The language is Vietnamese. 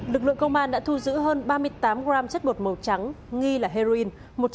lực lượng công an đã thu giữ hơn ba mươi tám g chất bột màu trắng nghi là heroin